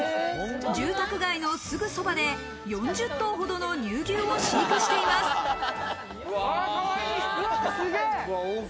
住宅街のすぐそばで４０頭ほどの乳牛を飼育しています。